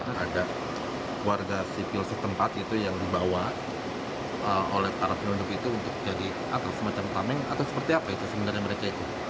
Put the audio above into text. ada warga sipil setempat itu yang dibawa oleh para penunduk itu untuk jadi atau semacam tameng atau seperti apa itu sebenarnya mereka itu